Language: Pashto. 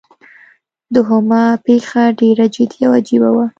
دوهمه پیښه ډیره جدي او عجیبه وه.